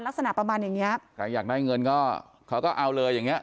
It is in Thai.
ลักษณะประมาณอย่างเงี้ยใครอยากได้เงินก็เขาก็เอาเลยอย่างเงี้